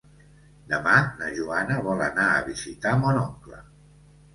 Demà na Joana vol anar a visitar mon oncle.